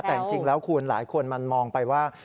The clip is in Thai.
แต่จริงแล้วคุณหลายคนมันมองไปว่า